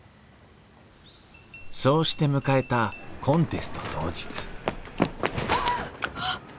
そうして迎えたコンテスト当日はあっ！